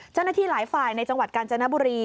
เจ้าหน้าที่หลายฝ่ายในจังหวัดกาญจนบุรี